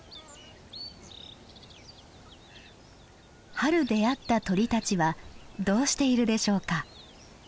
春出会った鳥たちはどうしているでしょうか。